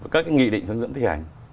các cái nghị định hướng dẫn thi hành